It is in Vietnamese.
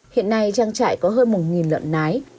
hiện nay trang trại có hơn một lợn nái